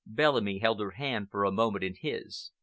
Bellamy held her hand for a moment in his.